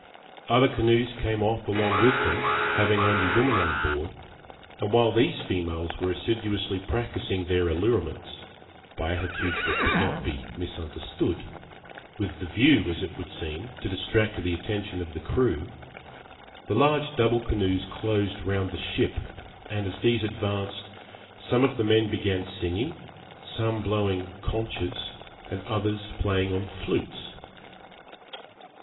Other canoes came off along with them, having only women on board; and while these females were assiduously practising their allurements, by attitudes that could not be misunderstood, with the view, as it would seem, to distract the attention of the crew, the large double canoes closed round the ship; and as these advanced, some of the men began singing, some blowing conchs, and others playing on flutes.